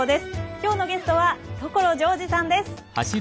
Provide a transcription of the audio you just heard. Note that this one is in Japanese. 今日のゲストは所ジョージさんです。